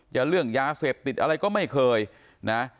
อย่าเลือกยาเสพติดอะไรก็ไม่เคยนะ